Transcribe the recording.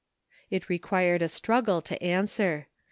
" It required a struggle to answer.